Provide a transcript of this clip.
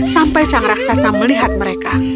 sampai sang raksasa melihat mereka